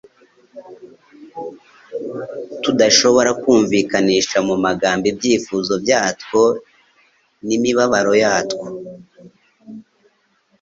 tudashobora kumvikanisha mu magambo ibyifuzo byatwo n'imibabaro yatwo.